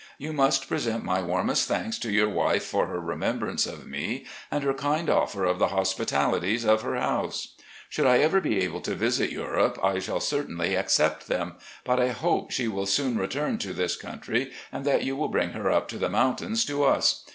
You must present my warmest thanks to your wife for her remembrance of me and her kind offer of the hospitalities of her house. 420 RECOLLECTIONS OP GENERAL LEE Should I ever be able to visit Europe I shall certainly accept them, but I hope she will soon return to this country and that you will bring her up to the moimtains to us.